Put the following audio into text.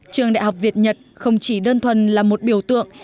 trường đại học việt nhật không chỉ đơn thuần là một biểu tượng